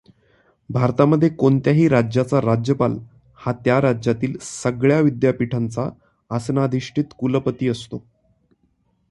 भारतामध्ये कोणत्याही राज्याचा राज्यपाल हा त्या राज्यातील सगळ्या विद्यापीठांचा आसनाधिष्ठीत कुलपती असतो.